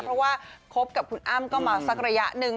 เพราะว่าคบกับคุณอ้ำก็มาสักระยะหนึ่ง